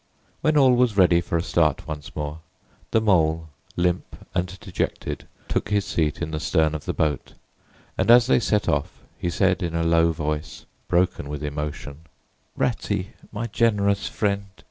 When all was ready for a start once more, the Mole, limp and dejected, took his seat in the stern of the boat; and as they set off, he said in a low voice, broken with emotion, "Ratty, my generous friend!